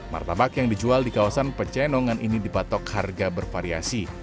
martabak yang dijual di kawasan pecenongan ini dipatok harga bervariasi